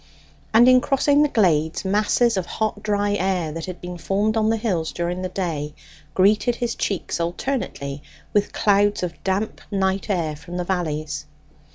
And in crossing the glades, masses of hot dry air, that had been formed on the hills during the day, greeted his cheeks alternately with clouds of damp night air from the valleys.